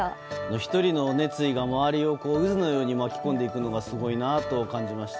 １人の熱意が周りが渦のように巻き込んでいくのがすごいなと思いました。